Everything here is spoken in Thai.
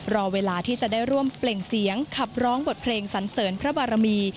รอเวลาที่จะได้ร่วมเปล่งเสียงขับร้องบทเพลงสันเสริญพระบารมี